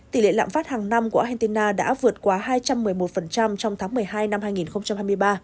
tỷ lệ lạm phát hàng năm của argentina đã vượt quá hai trăm một mươi một trong tháng một mươi hai năm hai nghìn hai mươi ba